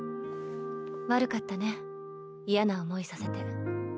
悪かったね嫌な思いさせて。